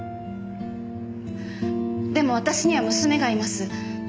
でも私には娘がいます。